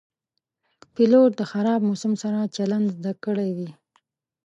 پیلوټ د خراب موسم سره چلند زده کړی وي.